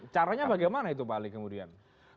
caranya bagaimana itu pak ali kemudian